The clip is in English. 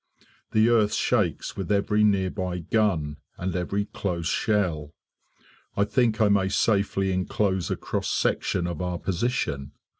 The earth shakes with every nearby gun and every close shell. I think I may safely enclose a cross section of our position.